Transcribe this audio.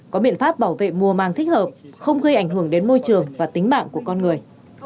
có biện pháp bảo vệ mùa màng thích hợp không gây ảnh hưởng đến môi trường và tính mạng của con người